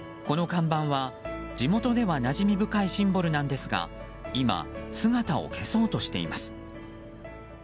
この看板は地元ではなじみ深いシンボルなんですが今、姿を消そうとしています。